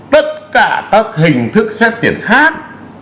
tất cả các hình thức xét tiền khác